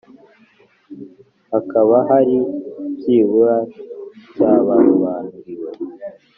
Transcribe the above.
Hakaba hari byibura cy abarobanuriwe